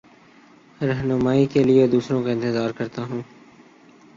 رہنمائ کے لیے دوسروں کا انتظار کرتا ہوں